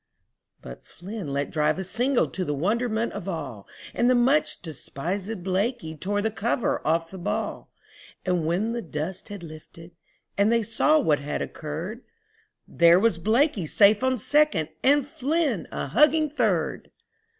But Flynn let drive a single to the wonderment of all, And the much despisèd Blakey tore the cover off the ball, And when the dust had lifted and they saw what had occurred, There was Blakey safe on second, and Flynn a hugging third.